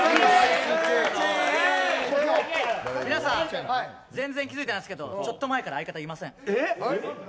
皆さん、全然気付いてないですけどちょっと前から相方いません。